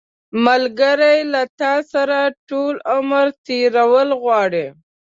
ملګری له تا سره ټول عمر تېرول غواړي